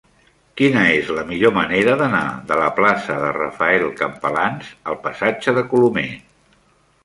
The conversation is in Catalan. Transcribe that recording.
Quina és la millor manera d'anar de la plaça de Rafael Campalans al passatge de Colomer?